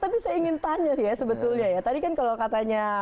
tapi saya ingin tanya ya sebetulnya ya tadi kan kalau katanya